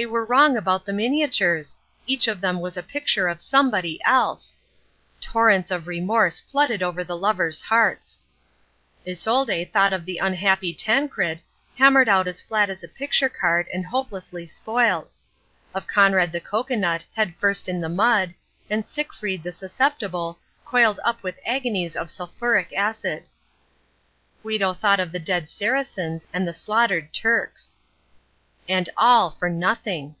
They were wrong about the miniatures. Each of them was a picture of somebody else. Torrents of remorse flooded over the lovers' hearts. Isolde thought of the unhappy Tancred, hammered out as flat as a picture card and hopelessly spoilt; of Conrad the Cocoanut head first in the mud, and Sickfried the Susceptible coiled up with agonies of sulphuric acid. Guido thought of the dead Saracens and the slaughtered Turks. And all for nothing!